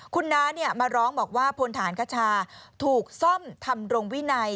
คุณน้ามาร้องบอกว่าพลฐานคชาถูกซ่อมทำรงวินัย